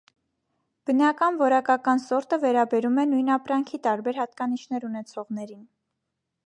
Բնական որակական սորտը վերաբերում է նույն ապրանքի տարբեր հատկանիշներ ունեցողներին։